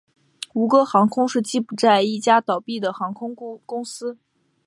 吴哥航空是柬埔寨一家倒闭的航空公司。